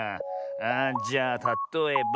あじゃあたとえば。